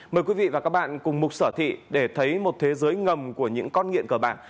mời quý vị và các bạn cùng mục sở thị để thấy một thế giới ngầm của những con nghiện cờ bạc